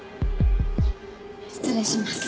失礼します。